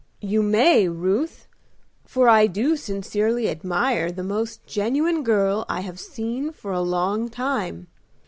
"You may, Ruth, for I do sincerely admire the most genuine girl I have seen for a long time.